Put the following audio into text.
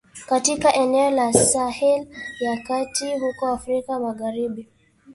katika eneo la Sahel ya kati huko Afrika magharibi